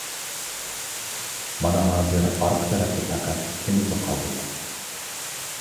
مانا ھازىر ئارقا تەرەپتە پەقەت ئىككىمىزلا قالدۇق.